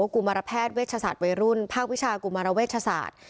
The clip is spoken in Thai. กุมารแพทย์เวชศาสตร์วัยรุ่นภาควิชากุมารเวชศาสตร์